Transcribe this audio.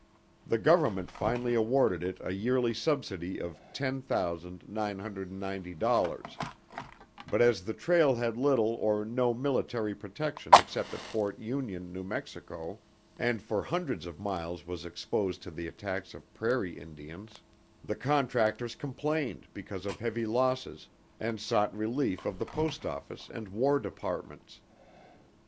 The Government finally awarded it a yearly subsidy of $10,990.00, but as the trail had little or no military protection except at Fort Union, New Mexico, and for hundreds of miles was exposed to the attacks of prairie Indians, the contractors complained because of heavy losses and sought relief of the Post Office and War Departments.